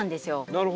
なるほど。